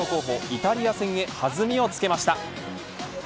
イタリア戦へ弾みをつけました。